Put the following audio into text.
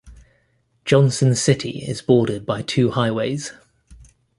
Johnson City is bordered by two highways.